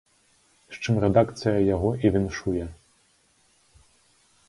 З чым рэдакцыя яго і віншуе!